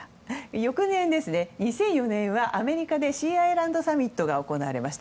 翌年の２００４年はアメリカでシーアイランドサミットが行われました。